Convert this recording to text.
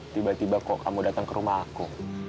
tiba tiba kok kamu datang ke rumah aku